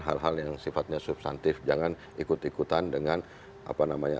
hal hal yang sifatnya substantif jangan ikut ikutan dengan apa namanya